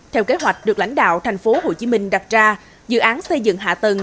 theo kế hoạch được lãnh đạo tp hcm đặt ra dự án xây dựng hạ tầng